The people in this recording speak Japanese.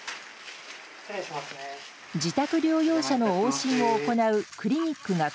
自宅療養者の往診を行うクリニッ